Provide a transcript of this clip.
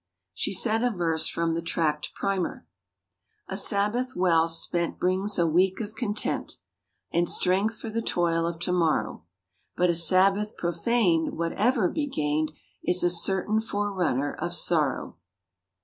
She said a verse from the Tract Primer: "A Sabbath well spent brings a week of content And strength for the toil of to morrow, But a Sabbath profaned, whatever be gained, Is a certain forerunner of sorrow."